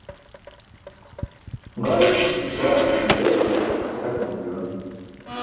Ġaa iskumuce kaa naġe ke itʰak manum juwan.